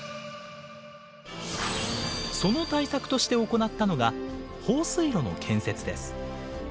その対策として行ったのが放水路の建設です。